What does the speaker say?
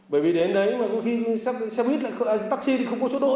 bởi vì đến đấy mà có khi taxi lại khởi taxi thì không có chút chút gì